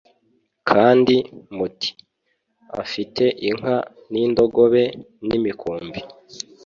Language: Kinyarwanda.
kandi muti “afite inka n’indogobe n’imikumbi